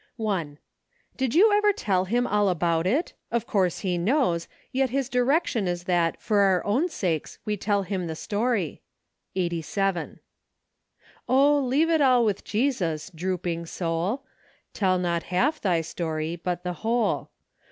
1. Did you ever tell Him all about it? Of course He knows, yet His direction is that for our own sakes we tell Him the story. Eighty Seven. " Oh, leave it all with Jesus , Drooping soul! Tell not half thy story, But the whole.